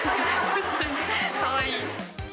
かわいい。